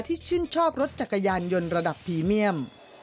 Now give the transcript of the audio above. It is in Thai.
ที่ชื่นชอบรถจักรยานยนต์ระดับพรีเมียม